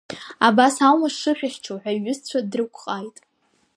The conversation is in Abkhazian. Абас аума сшышәыхьчо ҳәа иҩызцәа дрықәҟааит.